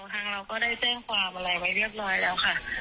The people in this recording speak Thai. ทางเราก็ได้แจ้งความอะไรไว้เรียบร้อยแล้วค่ะ